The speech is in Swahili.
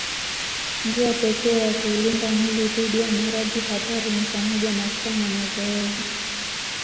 Njia pekee ya kuulinda mwili dhidi ya maradhi hatari ni pamoja na kufanya mazoezi